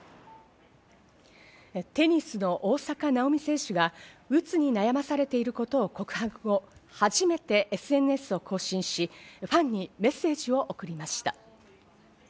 テニスの大坂なおみ選手が、うつに悩まされていることを告白後、初めてＳＮＳを更新し、ファンにメッセージを送りました。